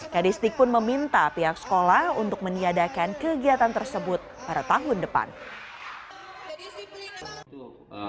kadistik pun meminta pihak sekolah untuk meniadakan kegiatan tersebut pada tahun depan